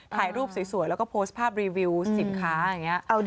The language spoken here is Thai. ถ่ายรูปสวยแล้วก็โพสต์ภาพรีวิวสินค้า